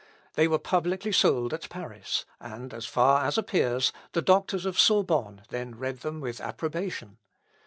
They were publicly sold at Paris, and, as far as appears, the doctors of Sorbonne then read them with approbation.